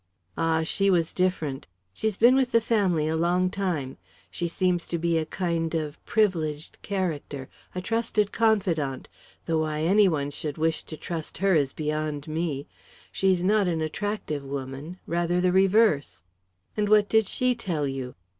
"Ah, she was different. She's been with the family a long time. She seems to be a kind of privileged character a trusted confidante; though why any one should wish to trust her is beyond me she's not an attractive woman, rather the reverse." "And what did she tell you?"